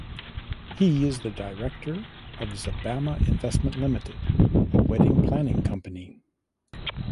He is the Director of Zabama Investment Limited (a wedding planning company).